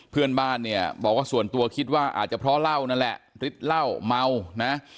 เพื่อนบ้านเนี่ยบอกว่าส่วนตัวคิดว่าอาจจะเพราะเหล้านั่นแหละฤทธิ์เหล้าเมานะ